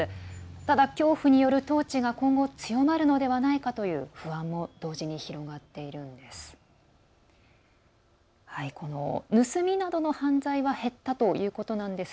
ただ、恐怖による統治が今後、強まるのではないかという不安も同時に広まっているんです。